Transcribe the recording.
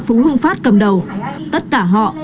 phú hương phát cầm đầu tất cả họ